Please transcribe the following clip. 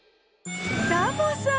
サボさん！